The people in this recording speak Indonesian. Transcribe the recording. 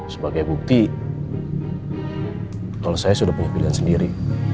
sebagai bukti kalau saya sudah punya pilihan sendiri